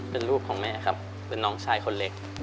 เป็นลูกของแม่ครับเป็นน้องชายคนเล็ก